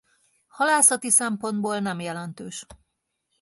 Halászati szempontból nem jelentős.